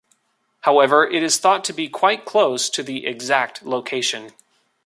However, it is thought to be quite close to the exact location.